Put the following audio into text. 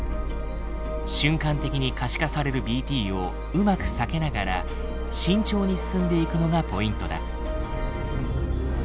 瞬間的に可視化されるＢＴをうまく避けながら慎重に進んでいくのがポイントだ。